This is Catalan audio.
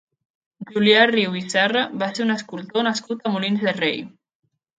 Julià Riu i Serra va ser un escultor nascut a Molins de Rei.